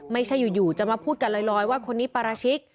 ไม่ใช่อยู่จะมาพูดกันลอยว่าคนนี้ปราชิก